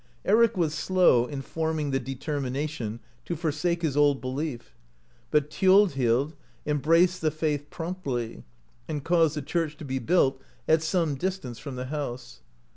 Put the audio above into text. Eric was slow in forming the determination to forsake his old belief, but Thiodhild (37) embraced the faith promptly, and caused a church to be built at some distance from the house.